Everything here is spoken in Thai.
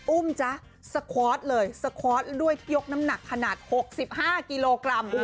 อุ้มจ๊ะสคอร์สเลยสคอร์สด้วยที่ยกน้ำหนักขนาด๖๕กิโลกรัม